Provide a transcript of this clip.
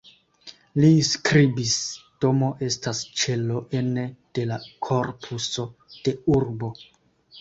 Li skribis:"Domo estas ĉelo ene de la korpuso de urbo.